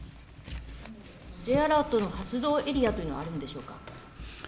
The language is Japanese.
Ｊアラートの発動エリアというのはあるんでしょうか。